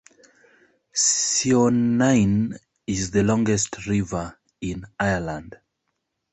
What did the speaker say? Sionainn is the longest river in Ireland.